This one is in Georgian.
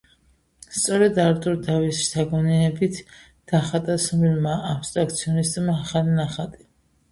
სწორედ არტურ დავის შთაგონიებით დახატა ცნობილმა აბსტრაქციონისტმა ახალი ნახატი.